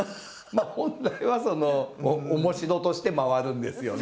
本来はそのおもしろとして回るんですよね。